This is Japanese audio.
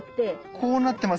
こうなってますよね。